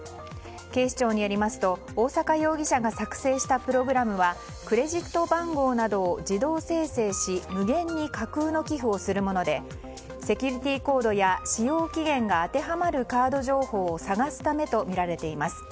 警視庁によりますと大坂容疑者が作成したプログラムはクレジット番号などを自動生成し無限に架空の寄付をするものでセキュリティーコードや使用期限が当てはまるカード情報を探すためとみられています。